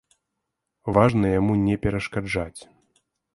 Важна яму не перашкаджаць.